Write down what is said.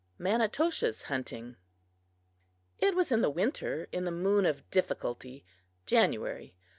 Manitoshaw's Hunting IT was in the winter, in the Moon of Difficulty (January).